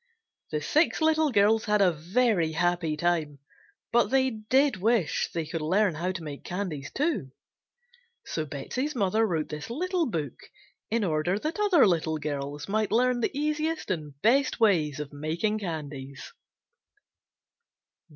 The six little girls had a very happy time, but they did wish they could learn how to make candies, too, so Betsey's mother wrote this little book in order that other little girls might learn the easiest and best ways of making candies.